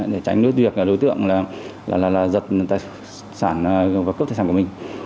để tránh đối tượng là giật tài sản và cướp tài sản của mình